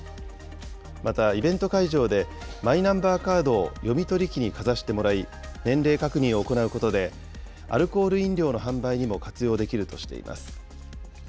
また、イベント会場でマイナンバーカードを読み取り機にかざしてもらい、年齢確認を行うことで、アルコール飲料の販売にも活用できるとしています。